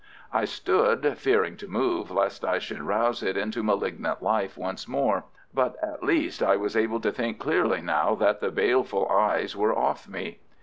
I stood, fearing to move lest I should rouse it into malignant life once more. But at least I was able to think clearly now that the baleful eyes were off me.